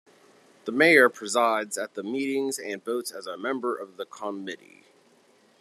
The Mayor presides at the meetings and votes as a member of the Committee.